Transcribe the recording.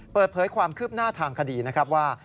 เปิดเผยความคืบหน้าทางคดีนะครับว่า